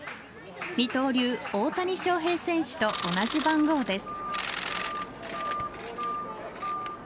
二刀流・大谷翔平選手と同じ番号です。